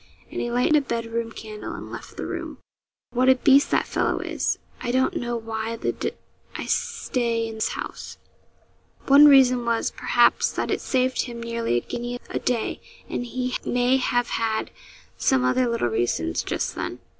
And he lighted a bed room candle and left the room. 'What a beast that fellow is. I don't know why the d I stay in his house.' One reason was, perhaps, that it saved him nearly a guinea a day, and he may have had some other little reasons just then.